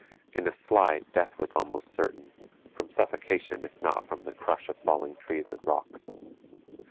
In a slide death was almost certain, from suffocation if not from the crush of falling trees and rocks.